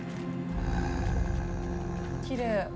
きれい。